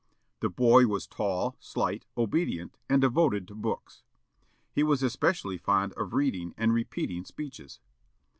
The boy was tall, slight, obedient, and devoted to books. He was especially fond of reading and repeating speeches.